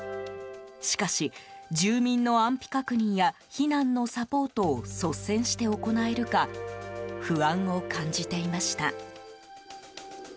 しかし、住民の安否確認や避難のサポートを率先して行えるか不安を感じていました。